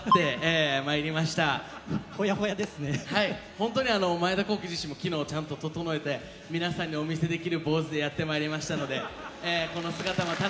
本当にあの前田航基自身も昨日ちゃんと整えて皆さんにお見せできる坊主でやって参りましたのでこの姿も楽しんでいただけたらなと思います。